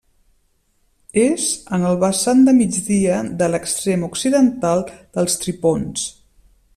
És en el vessant de migdia de l'extrem occidental dels Tripons.